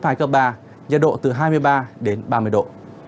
nhiệt độ từ hai mươi ba ba mươi độ